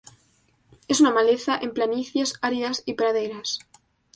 Es una maleza en planicies áridas y praderas.